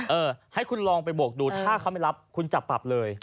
เออให้คุณลองไปบวกดูถ้าเขาไม่รับคุณจับปรับเลย